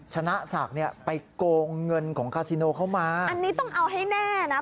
ชนะศักดิ์เนี่ยไปโกงเงินของคาซิโนเข้ามาอันนี้ต้องเอาให้แน่นะ